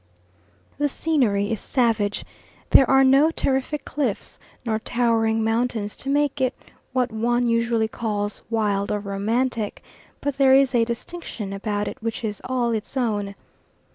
The scenery is savage; there are no terrific cliffs nor towering mountains to make it what one usually calls wild or romantic, but there is a distinction about it which is all its own.